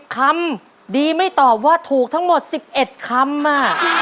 คำดีไม่ตอบว่าถูกทั้งหมด๑๑คำ